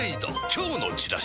今日のチラシで